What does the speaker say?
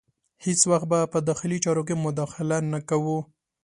هیڅ وخت به په داخلي چارو کې مداخله نه کوو.